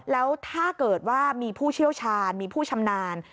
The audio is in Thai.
แล้วถ้าเกิดว่ามีผู้เชี่ยวชาญมีผู้ชำนาญ